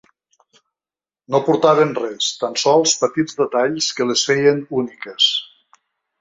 No portaven res, tan sols petits detalls que les feien úniques.